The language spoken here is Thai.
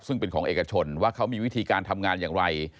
ซึ่งเป็นของเอกชนว่าเขามีวิธีการทำงานอย่างไร